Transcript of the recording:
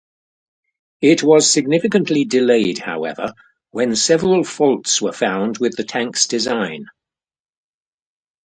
It was significantly delayed, however, when several faults were found with the tank's design.